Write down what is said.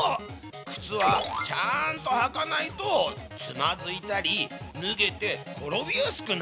クツはちゃんとはかないとつまずいたりぬげてころびやすくなるんだよ。